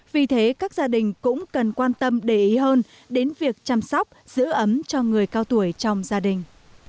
vì thế các gia đình cũng cần quan tâm để ý hơn đến việc chăm sóc giữ ấm cho người cao tuổi trong gia đình